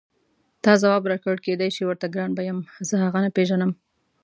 تا ځواب راکړ کېدای شي ورته ګران به یم زه هغه نه پېژنم.